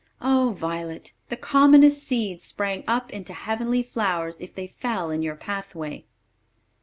Ah, Violet! the commonest seeds sprang up into heavenly flowers if they fell in your pathway.